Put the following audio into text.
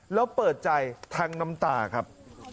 แล้วเปิดใจทั้งน้ำตาครับ